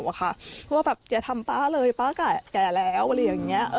พูดว่าอย่าทำป้าเลยป้ากายแล้วอะไรอย่างนี้